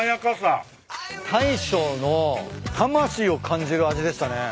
大将の魂を感じる味でしたね。